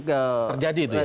terjadi itu ya